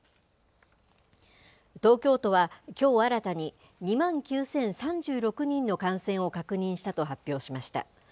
東京都はきょう新たに、２万９０３６人の感染を確認したと発表しました。